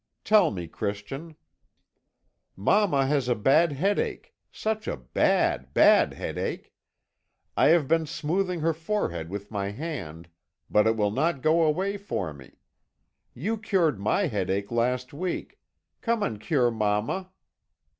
"'Tell me, Christian.' "'Mamma has a bad headache such a bad, bad headache! I have been smoothing her forehead with my hand, but it will not go away for me. You cured my headache last week; come and cure mamma.'